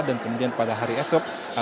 dan kemudian pada hari esok